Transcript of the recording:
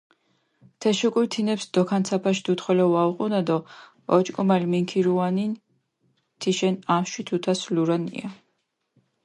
თეშ უკულ თინეფს დოქანცაფაშ დუდი ხოლო ვაუღუნა დო ოჭკომალ მინქირუანინ თიშენ ამშვი თუთას ლურანია.